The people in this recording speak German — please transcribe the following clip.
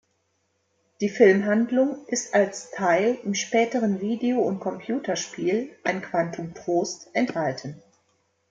Die Filmhandlung ist als Teil im späteren Video- und Computerspiel "Ein Quantum Trost" enthalten.